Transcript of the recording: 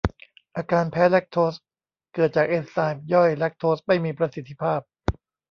อาการแพ้แลคโทสเกิดจากเอนไซม์ย่อยแลคโทสไม่มีประสิทธิภาพ